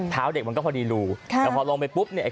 เด็กมันก็พอดีรูค่ะแต่พอลงไปปุ๊บเนี่ย